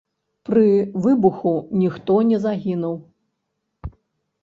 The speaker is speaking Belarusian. Пры выбуху ніхто не загінуў.